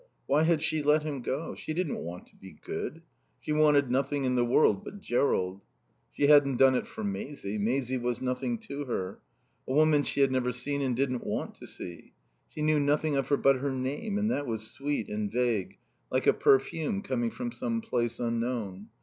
Why had she let him go? She didn't want to be good. She wanted nothing in the world but Jerrold. She hadn't done it for Maisie. Maisie was nothing to her. A woman she had never seen and didn't want to see. She knew nothing of her but her name, and that was sweet and vague like a perfume coming from some place unknown.